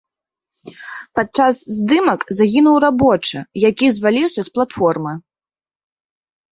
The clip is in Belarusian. Падчас здымак загінуў рабочы, які зваліўся з платформы.